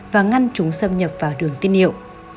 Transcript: và ngăn chúng xâm nhập vào đường tiết niệu